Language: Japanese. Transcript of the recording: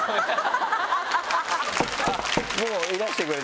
もういらしてくれたかな？